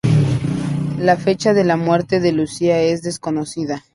La fecha de la muerte de Lucía es desconocida.